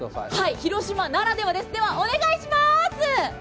広島ならではですではお願いします！